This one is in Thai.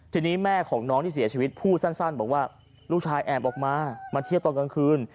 ทีนี้แม่ของน้องที่เสียชีวิตพูดสั้นบอกว่าลูกชายแอบออกมามาเที่ยวตอนกลางคืน